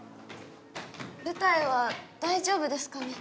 舞台は大丈夫ですかね？